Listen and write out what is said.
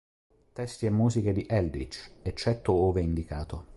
Testi e musiche di Eldritch, eccetto ove indicato.